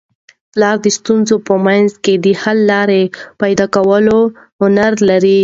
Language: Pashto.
پلار د ستونزو په منځ کي د حل لاري پیدا کولو هنر لري.